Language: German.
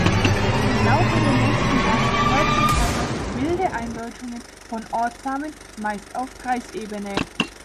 Im Laufe der nächsten Jahre erfolgten teilweise „wilde“ Eindeutschungen von Ortsnamen, meist auf Kreisebene.